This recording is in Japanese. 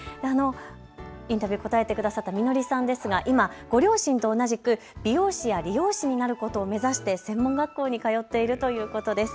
インタビュー答えてくださったみのりさんですが今、ご両親と同じく美容師や理容師になることを目指して専門学校に通っているということです。